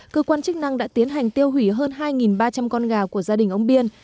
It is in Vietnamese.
cơ quan chức năng đã tiến hành tiêu hủy hơn hai ba trăm linh con gà của gia đình ông biên